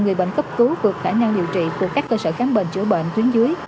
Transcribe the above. người bệnh cấp cứu vượt khả năng điều trị của các cơ sở khám bệnh chữa bệnh tuyến dưới